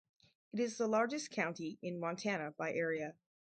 It is the largest county in Montana by area.